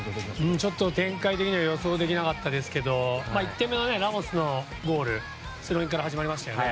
ちょっと展開的には予想できなかったですが１点目のラモスのゴールから始まりましたね。